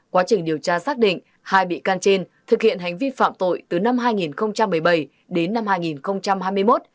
quá trình điều tra xác định hai bị can trên thực hiện hành vi phạm tội từ năm hai nghìn một mươi bảy đến năm hai nghìn hai mươi một